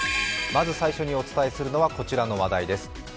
まず最初にお伝えするのはこちらの話題です。